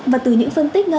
và từ những phân tích